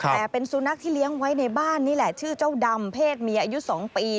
แต่เป็นสุนัขที่เลี้ยงไว้ในบ้านนี่แหละชื่อเจ้าดำเพศเมียอายุ๒ปี